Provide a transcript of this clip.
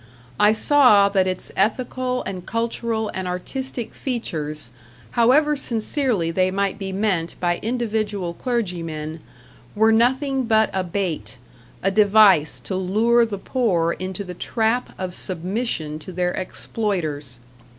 I saw that its ethical and cultural and artistic features, however sincerely they might be meant by individual clergymen, were nothing but a bait, a device to lure the poor into the trap of submission to their exploiters.